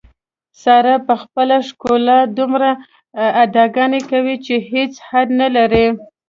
ساره په خپله ښکلا دومره اداګانې کوي، چې هېڅ حد نه لري.